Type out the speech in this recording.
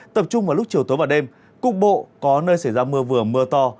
tập trung vào lúc chiều tối và đêm cục bộ có nơi xảy ra mưa vừa mưa to